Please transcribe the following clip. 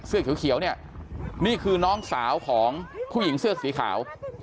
เสื้อเขียวเนี่ยนี่คือน้องสาวของผู้หญิงเสื้อสีขาว